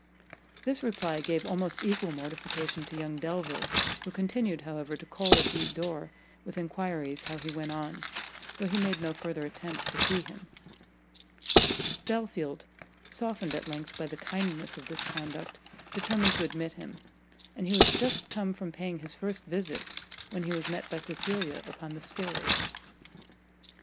This reply gave almost equal mortification to young Delvile, who continued, however, to call at the door with enquiries how he went on, though he made no further attempt to see him. Belfield, softened at length by the kindness of this conduct, determined to admit him; and he was just come from paying his first visit, when he was met by Cecilia upon the stairs.